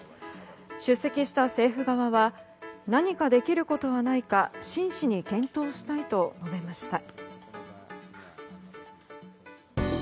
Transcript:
出席した政府側は何かできることはないか真摯に検討したいと述べました。